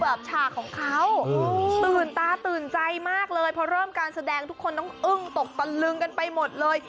ฉากของเขาตื่นตาตื่นใจมากเลยพอเริ่มการแสดงทุกคนต้องอึ้งตกตะลึงกันไปหมดเลย